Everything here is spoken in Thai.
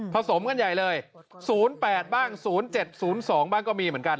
สมกันใหญ่เลย๐๘บ้าง๐๗๐๒บ้างก็มีเหมือนกัน